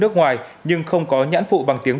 nước ngoài nhưng không có nhãn phụ bằng tiếng